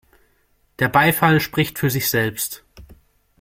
Der Beifall spricht für sich selbst.